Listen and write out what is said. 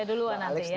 saya duluan nanti ya